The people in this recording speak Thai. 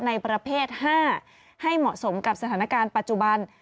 ในประเภท๕ให้เหมาะสมกับสถานการณ์ปัจจุบัน